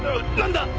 何だ！？